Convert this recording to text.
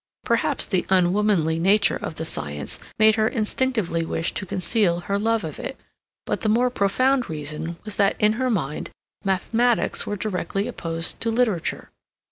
Perhaps the unwomanly nature of the science made her instinctively wish to conceal her love of it. But the more profound reason was that in her mind mathematics were directly opposed to literature.